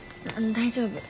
大丈夫。